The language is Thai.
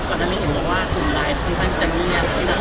ก่อนนั้นเห็นว่าหมู่รายสูงสั้นจะเมียว